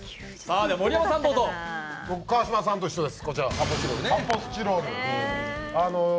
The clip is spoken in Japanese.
川島さんと一緒です。